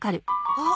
あっ！